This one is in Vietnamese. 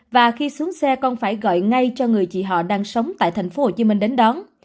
và khi xuống xe con phải gọi ngay cho người chị họ đang sống tại thành phố hồ chí minh đến đón